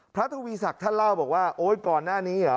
ทวีศักดิ์ท่านเล่าบอกว่าโอ๊ยก่อนหน้านี้เหรอ